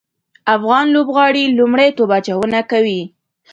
افغان لوبغاړي لومړی توپ اچونه کوي